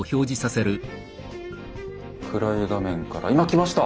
暗い画面から今きました！